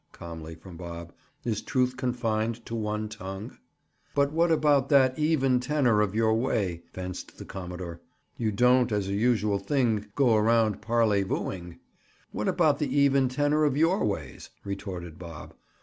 calmly from Bob. "Is truth confined to one tongue?" "But what about that 'even tenor of your way'?" fenced the commodore. "You don't, as a usual thing, go around parleyvooing—" "What about the even tenor of your own ways?" retorted Bob.